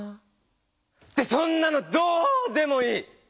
ってそんなのどうでもいい！